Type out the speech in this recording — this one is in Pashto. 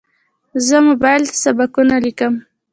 زه موبایل ته سبقونه لیکم.